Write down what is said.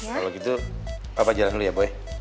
kalau gitu papa jalan dulu ya boy